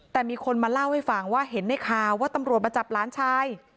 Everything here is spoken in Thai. แต่มีคนมาเล่าให้ฟังว่าเห็นในข่าวว่าตำรวจมาจับหลานชาย